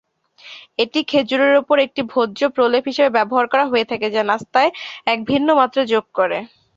এটি খেজুরের ওপর একটি ভোজ্য প্রলেপ হিসাবে ব্যবহার করা হয়ে থাকে, যা নাস্তায় এক ভিন্ন মাত্রা যোগ করে।